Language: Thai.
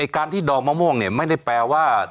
การที่ดอกมะม่วงเนี่ยไม่ได้แปลว่า